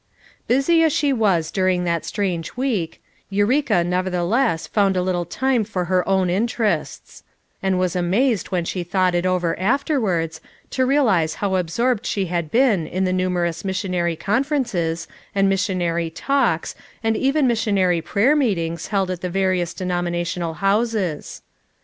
Busy as she was during that strange week, Eureka nevertheless found a little time for her own interests; and was amazed when she 381 382 FOUR MOTHERS AT CIIAUTAUQ'JA thought it over afterwards, to realize how ab sorbed she had been in the numerous mission ary conferences, and missionary "talks" and even missionary prayer meetings held at the various denominational houses.